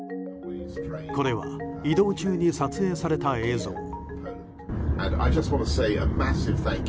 これは、移動中に撮影された映像。